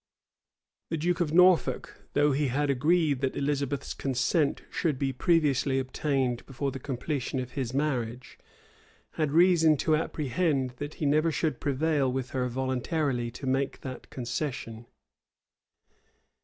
[] The duke of Norfolk, though he had agreed that Elizabeth's consent should be previously obtained before the completion of his marriage, had reason to apprehend that he never should prevail with her voluntarily to make that concession.